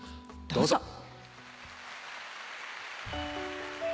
どうぞ。